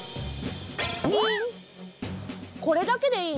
これだけでいいの？